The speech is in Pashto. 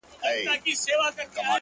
پښتې ستري تر سترو، استثناء د يوې گوتي،